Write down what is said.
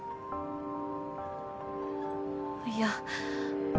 いや。